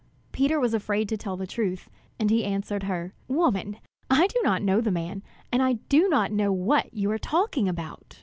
Peter was afraid to tell the truth, and he answered her: "Woman, I do not know the man; and I do not know what you are talking about."